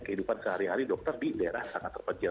kehidupan sehari hari dokter di daerah sangat terpencil